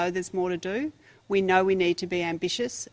kita tahu kita harus berambisius